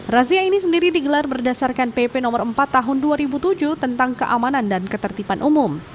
razia ini sendiri digelar berdasarkan pp no empat tahun dua ribu tujuh tentang keamanan dan ketertiban umum